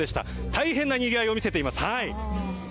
大変なにぎわいを見せています。